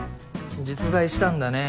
実在したんだね